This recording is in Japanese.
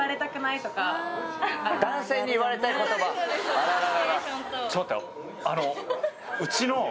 あらららら。